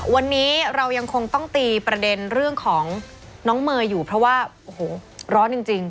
วันนี้เรายังคงต้องตีประเด็นเรื่องของน้องเมย์อยู่เพราะว่าโอ้โหร้อนจริง